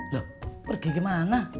loh pergi ke mana